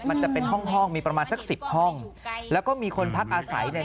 มันจะเป็นห้องห้องมีประมาณสักสิบห้องแล้วก็มีคนพักอาศัยใน